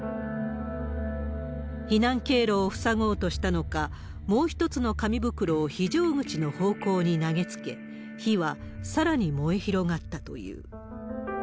避難経路を塞ごうとしたのか、もう一つの紙袋を非常口の方向に投げつけ、火はさらに燃え広がったという。